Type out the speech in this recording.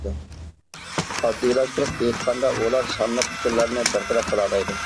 ئاددىيلاشتۇرۇپ ئېيتقاندا ئۇلار سانلىق ئۇچۇرلارنى بىر تەرەپ قىلالايدۇ.